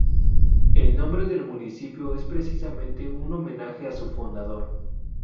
El nombre del municipio es precisamente un homenaje a su fundador.